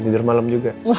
tidur malem juga